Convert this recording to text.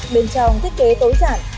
bên trong thiết kế tối chẳng